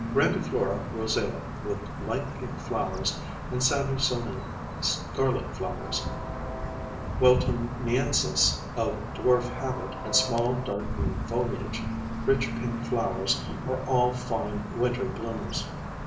Grandiflora rosea, with light pink flowers, and Sandersonii, scarlet flowers; Weltoniensis, of dwarf habit and small dark green foliage, rich pink flowers, are all fine winter bloomers.